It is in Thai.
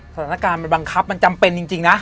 สถานการณ์มันบังคับมันจำเป็นจริงนะ